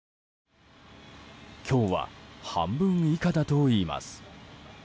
今日は半分以下だといいます。